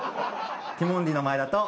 ティモンディの前田と。